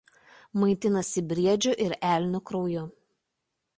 Maitinasi briedžių ir elnių krauju.